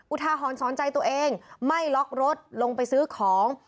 อุทาหรณ์สอนใจตัวเองไม่ล็อกรถลงไปซื้อของ